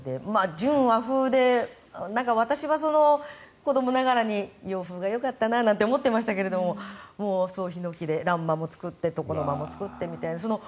純和風で、私は子どもながらに洋風がよかったななんて思ってましたが総ヒノキで欄間も作って床の間も作ってみたいな。